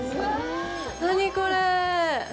何これ？